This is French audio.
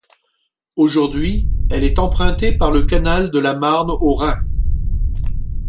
Aujourd'hui, elle est empruntée par le canal de la Marne au Rhin.